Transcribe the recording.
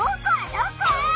どこ？